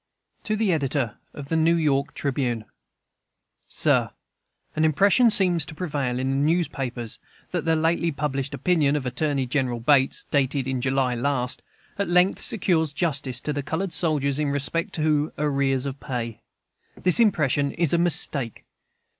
To the Editor of the New York Tribune: SIR, An impression seems to prevail in the newspapers that the lately published "opinion" of Attorney General Bates (dated in July last) at length secures justice to the colored soldiers in respect to arrears of pay. This impression is a mistake.